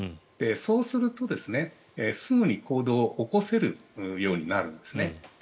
そうすると、すぐに行動を起こせるようになるんですね。